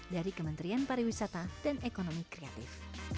dari kementerian pariwisata dan ekonomi kreatif